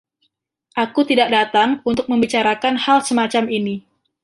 Aku tidak datang untuk membicarakan hal semacam ini.